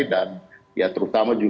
dan ya terutama juga